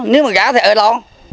nếu mà gã thì ơi lo